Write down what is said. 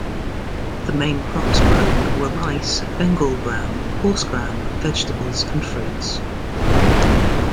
The main crops grown were rice, Bengal gram, horse gram, vegetables and fruits.